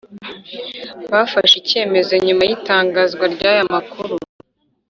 bafashe icyemezo nyuma y itangazwa ry aya makuru